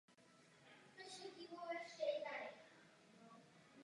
Mám již jen jednu poznámku.